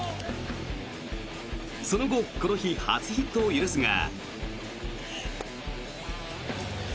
その後この日初ヒットを許すが。